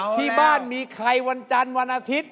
ที่บ้านมีใครวันจันทร์วันอาทิตย์